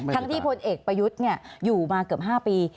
ที่พลเอกประยุทธ์อยู่มาเกือบ๕ปี